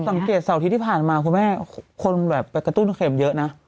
สังเกตเสาร์ที่ที่ผ่านมาคุณแม่คนแบบกระตุ้นเข็มเยอะนะ